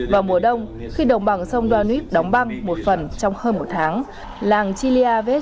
vào mùa đông khi đồng bằng sông danube đóng băng một phần trong hơn một tháng làng chiliavet đôi khi gần như khó khăn